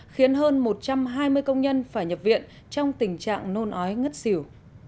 khiến hơn một trăm hai mươi công nhân phải nhập viện trong tình trạng nôn ói ngất xỉu